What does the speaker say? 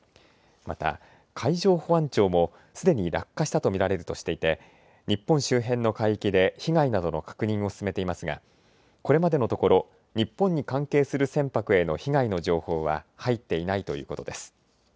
また海上保安庁もすでに落下したと見られるとしていて日本周辺の海域で被害などの確認を進めていますがこれまでのところ日本に関係する船舶への被害の情報は入っていないということです。